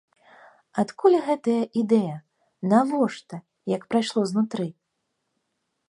Адкуль гэтая ідэя, навошта, як прайшло знутры?